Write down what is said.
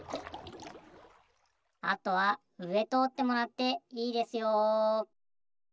あとはうえとおってもらっていいですよ。